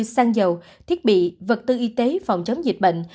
sang dầu thiết bị vật tư y tế phòng chống dịch bệnh